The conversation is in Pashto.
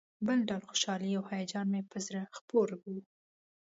بل ډول خوشالي او هیجان مې پر زړه خپور و.